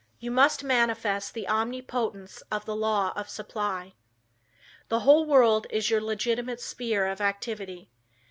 You must manifest the omnipotence of the law of supply. The whole world is your legitimate sphere of activity.